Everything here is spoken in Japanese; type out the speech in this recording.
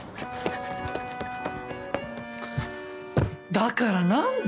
だから何で？